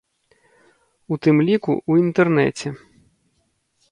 У тым ліку, у інтэрнэце.